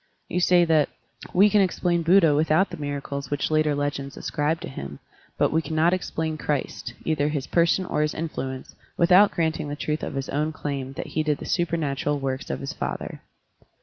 You say that, "We can explain Buddha without the miracles which later legends ascribe to him, but we cannot explain Christ — either his person or his influence — ^without granting the truth of his own claim that he did the super natural works of his father."